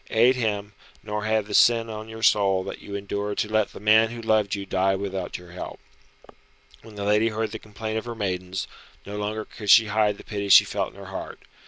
Aid him, nor have the sin on your soul that you endured to let the man who loved you die without your help." When the lady heard the complaint of her maidens, no longer could she hide the pity she felt in her heart.